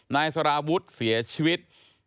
นายสารวุฒิเสียชีวิต